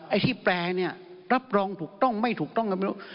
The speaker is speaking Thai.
ไอ้ที่แปลเนี่ยรับรองถูกต้องไม่ถูกต้องก็ไม่รู้